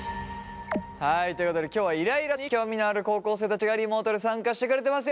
はいということで今日はイライラに興味のある高校生たちがリモートで参加してくれてます。